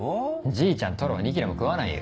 じいちゃんトロは２切れも食わないよ。